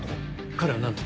彼は何と？